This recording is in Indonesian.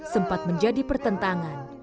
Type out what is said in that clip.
sempat menjadi pertentangan